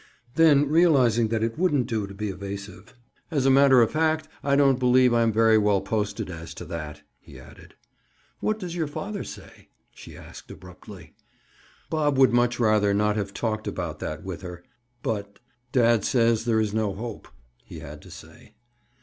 Then realizing it wouldn't do to be evasive: "As a matter of fact, I don't believe I'm very well posted as to that," he added. "What does your father say?" she asked abruptly. Bob would much rather not have talked about that with her. But—"Dad says there is no hope," he had to say.